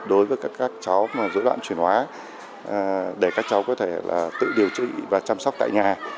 đối với các cháu mà rủi loạn chuyển hóa để các cháu có thể là tự điều trị và chăm sóc tại nhà